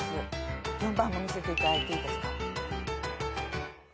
４番も見せていただいていいですか。